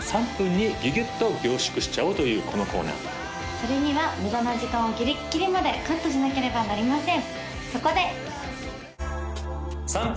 それには無駄な時間をギリッギリまでカットしなければなりません